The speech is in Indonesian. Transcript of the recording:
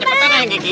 cepetan yang gigit